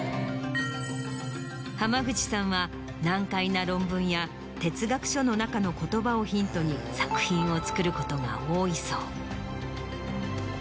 濱口さんは難解な論文や哲学書の中の言葉をヒントに作品を作ることが多いそう。